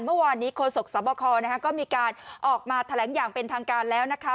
เมื่อวานนี้โฆษกสบคก็มีการออกมาแถลงอย่างเป็นทางการแล้วนะคะ